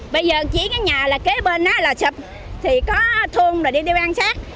bây giờ chỉ cái nhà kế bên đó là sập thì có thôn rồi đi theo an sát